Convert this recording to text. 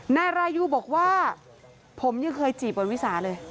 นายรายูบอกว่าผมยังเคยจีบวันวิสาเลย